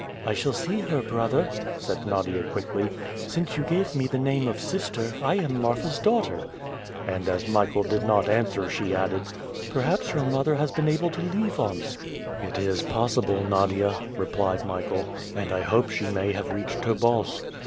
"I shall see her, brother," said Nadia quickly. "Since you give me the name of sister, I am Marfa's daughter." And as Michael did not answer she added: "Perhaps your mother has been able to leave Omsk?" "It is possible, Nadia," replied Michael; "and I hope she may have reached Tobolsk.